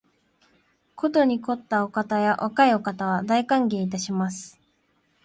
ことに肥ったお方や若いお方は、大歓迎いたします